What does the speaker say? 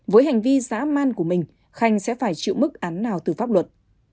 với hành vi giã man của mình khanh sẽ phải chịu mức án nào từ pháp luật